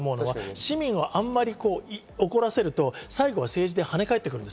市民をあんまり怒らせると、最後は政治で跳ね返ってくる。